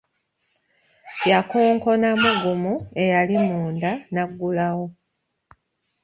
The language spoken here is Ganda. Yakonkonamu gumu eyali munda n’aggulawo.